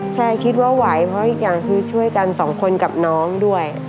ใช่คิดว่าไหวเพราะอีกอย่างคือช่วยกันสองคนกับน้องด้วย